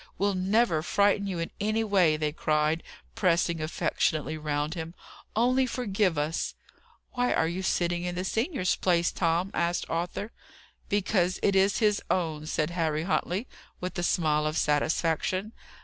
We'll never frighten you in any way!" they cried, pressing affectionately round him. "Only forgive us!" "Why are you sitting in the senior's place, Tom?" asked Arthur. "Because it is his own," said Harry Huntley, with a smile of satisfaction.